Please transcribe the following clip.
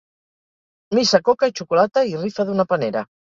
Missa, coca i xocolata i rifa d'una panera.